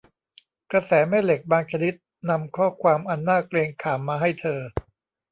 กระแสแม่เหล็กบางชนิดนำข้อความอันน่าเกรงขามมาให้เธอ